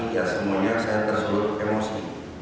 ya semuanya saya tersebut emosi